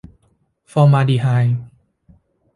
ฟอร์มาลดีไฮด์